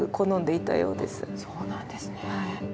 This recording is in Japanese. そうなんですね。